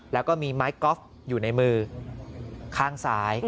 แล้วก็มีไม้กอล์ฟอยู่ในมือข้างซ้าย